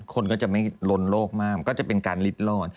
คนก็จะไม่ลนโลกมากมันก็จะเป็นการลิดรอด